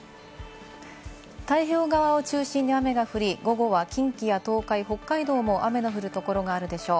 太平洋側を中心に雨が降り、午後は近畿や東海、北海道も雨の降るところがあるでしょう。